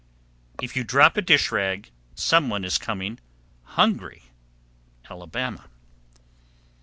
If you drop a dish rag, some one is coming hungry. _Alabama.